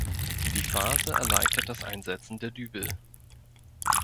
Die Fase erleichtert das Einsetzen der Dübel.